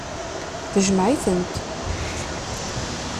Tjmeɛ-itent.